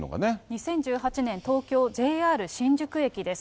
２０１８年、東京・ＪＲ新宿駅です。